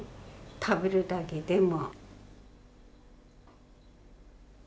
食べるだけでも。